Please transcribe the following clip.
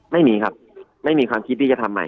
ไม่มีครับไม่มีความคิดที่จะทำใหม่